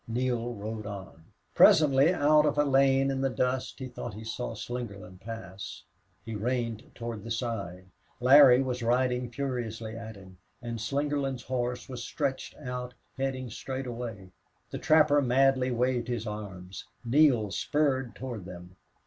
Neale rode on. Presently out of a lane in the dust he thought he saw Slingerland pass. He reined toward the side. Larry was riding furiously at him, and Slingerland's horse was stretched out, heading straight away. The trapper madly waved his arms. Neale spurred toward them.